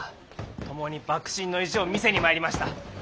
共に幕臣の意地を見せに参りました。